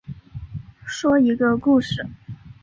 说一个故事